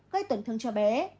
gây tổn thương cho bé